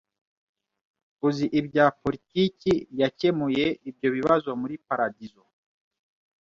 uzi ibya politiki yakemuye ibyo bibazo muri paradizo